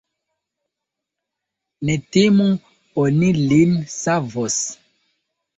Ne timu; oni lin savos.